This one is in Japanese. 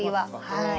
はい。